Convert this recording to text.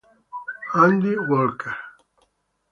Andy Walker